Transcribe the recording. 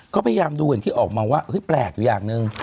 เขาพยายามดูเห็นที่ออกมาว่าฮึยแปลกอยู่อย่างนึง